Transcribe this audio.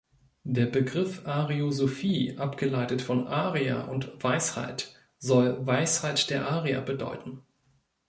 Der Begriff Ariosophie, abgeleitet von „Arier“ und „Weisheit“, soll „Weisheit der Arier“ bedeuten.